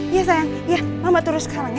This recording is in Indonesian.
iya sayang mama turun sekarang ya